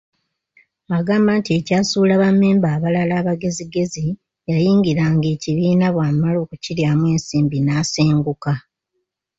Agamba nti ekyasuula Bammemba abalala abagezigezi yayingiranga ekibiina, bw’amala okukiryamu ensimbi n’asenguka.